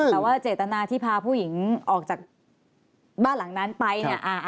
แต่ว่าเจตนาที่พาผู้หญิงออกจากบ้านหลังนั้นไปเนี่ย